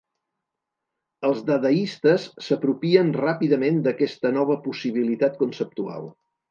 Els dadaistes s'apropien ràpidament d'aquesta nova possibilitat conceptual.